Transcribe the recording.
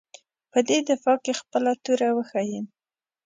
په دې دفاع کې خپله توره وښیيم.